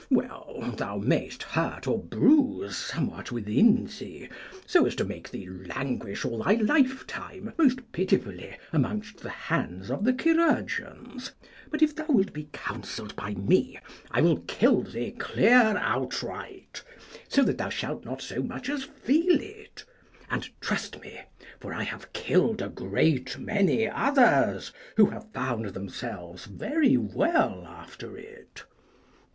Well, thou mayst hurt or bruise somewhat within thee, so as to make thee languish all thy lifetime most pitifully amongst the hands of the chirurgeons; but if thou wilt be counselled by me, I will kill thee clear outright, so that thou shalt not so much as feel it, and trust me, for I have killed a great many others, who have found themselves very well after it.